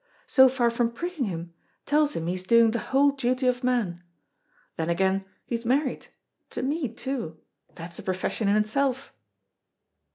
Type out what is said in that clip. so far from pricking him, tells him he's doing the whole duty of man. Then again he's married to me, too. That's a profession in itself."